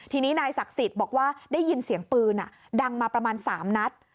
ทีนี้นายศักดิ์สิทธิ์บอกว่าได้ยินเสียงปืนดังมาประมาณ๓นัด